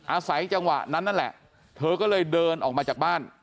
อาศัยจังหวะนั้นนั่นแหละเธอก็เลยเดินออกมาจากบ้าน